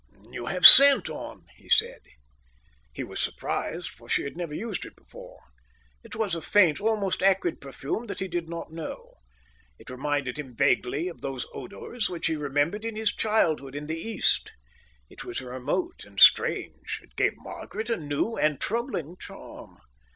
"You have scent on," he said. He was surprised, for she had never used it before. It was a faint, almost acrid perfume that he did not know. It reminded him vaguely of those odours which he remembered in his childhood in the East. It was remote and strange. It gave Margaret a new and troubling charm.